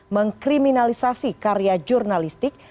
mengkriminalisasi karya jurnalistik